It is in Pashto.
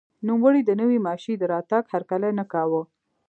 نوموړي د نوې ماشیۍ د راتګ هرکلی نه کاوه.